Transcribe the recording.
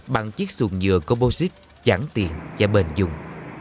bằng chiếc xuồng nhựa composite chẳng tiện và bền dùng